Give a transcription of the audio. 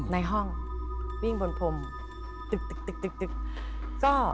ในห้องเหรอบนพรมตึก